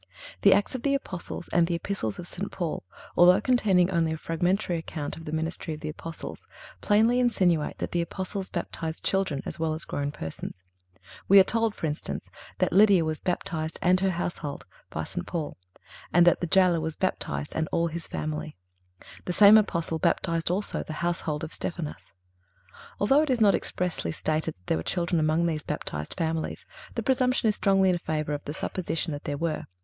The Acts of the Apostles and the Epistles of St. Paul, although containing only a fragmentary account of the ministry of the Apostles, plainly insinuate that the Apostles baptized children as well as grown persons. We are told, for instance, that Lydia "was baptized, and her household,"(338) by St. Paul; and that the jailer "was baptized, and all his family."(339) The same Apostle baptized also "the household of Stephanas."(340) Although it is not expressly stated that there were children among these baptized families, the presumption is strongly in favor of the supposition that there were.